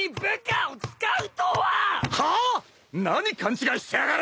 呂◎何勘違いしてやがる！